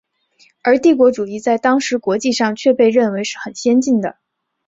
而帝国主义在当时国际上却被认为是很先进的。